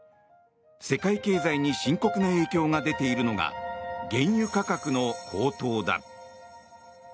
世界経済に深刻な影響が出ているのが原油価格の高騰だ。